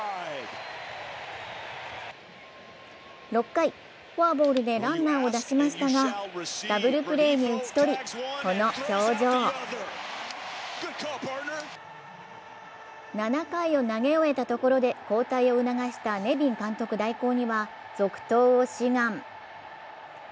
６回、フォアボールでランナーを出しましたがダブルプレーに打ち取り、この表情７回を投げ終えたところで交代を促したネビン監督代行には続投を志願。